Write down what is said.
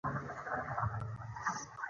افغانستان د چرګان د ترویج لپاره پروګرامونه لري.